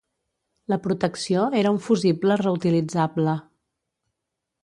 La protecció era un fusible reutilitzable.